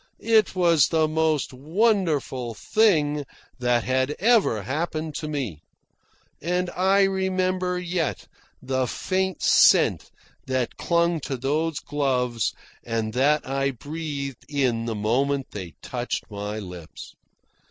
It was the most wonderful thing that had ever happened to me. And I remember yet the faint scent that clung to those gloves and that I breathed in the moment they touched my lips.